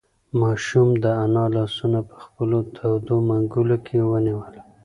ماشوم د انا لاسونه په خپلو تودو منگولو کې ونیول.